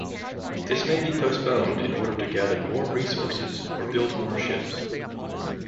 This may be postponed in order to gather more resources or build more ships.